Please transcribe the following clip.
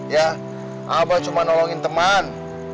ya abah cuma nolongin teman